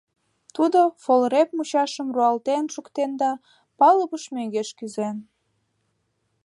Тудо фолреп мучашым руалтен шуктен да палубыш мӧҥгеш кӱзен.